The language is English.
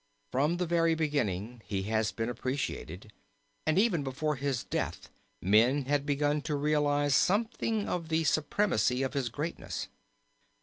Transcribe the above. From the very beginning he has been appreciated, and even before his death men had begun to realize something of the supremacy of his greatness.